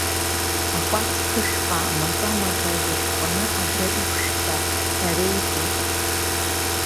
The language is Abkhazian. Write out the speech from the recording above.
Акәац ԥышәыҟҟа, маҿа-маҿа зегь ԥҟаны абра иқәышәҵа, ҳәа реиҳәеит.